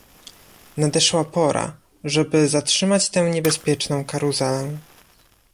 Nadeszła pora, żeby zatrzymać tę niebezpieczną karuzelę